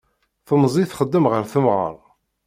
Temẓi txeddem ɣef temɣeṛ.